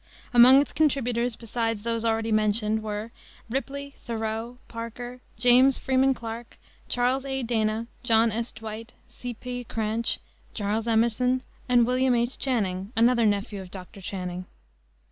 Among its contributors, besides those already mentioned, were Ripley, Thoreau, Parker, James Freeman Clarke, Charles A. Dana, John S. Dwight, C. P. Cranch, Charles Emerson and William H. Channing, another nephew of Dr. Channing.